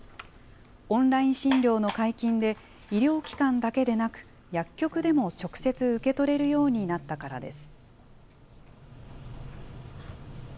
オンライン診療の解禁で、医療機関だけでなく、薬局でも直接受け取れるようになったからです。